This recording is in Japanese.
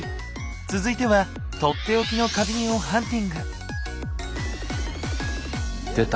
続いては取って置きの花瓶をハンティング。